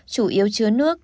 chủ yếu chứa nước